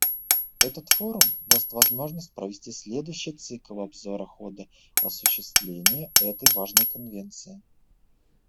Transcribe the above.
Этот форум даст возможность провести следующий цикл обзора хода осуществления этой важной Конвенции.